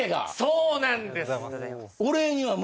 そうなんです。